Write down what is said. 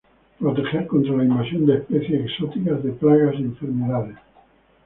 Proteger contra la invasión de especies exóticas de plagas y enfermedades.